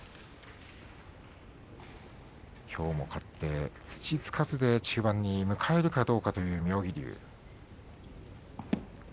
きょうも勝って土つかずで中盤に向かえるかどうかという妙義龍。